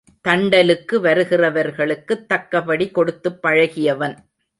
தண்ட லுக்கு வருகிறவர்க்குத் தக்கபடி கொடுத்துப் பழகியவன்.